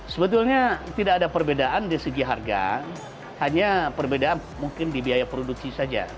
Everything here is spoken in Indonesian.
sebetulnya tidak ada perbedaan di segi harga hanya perbedaan mungkin di biaya produksi saja